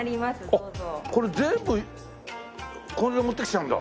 あっこれ全部これで持ってきちゃうんだ。